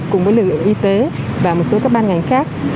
cùng với lực lượng y tế và một số các ban ngành khác